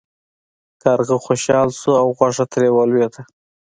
کارغه خوشحاله شو او غوښه ترې ولویده.